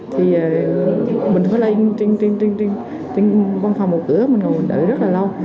thì mình phải lên trên văn phòng một cửa mình ngồi đợi rất là lâu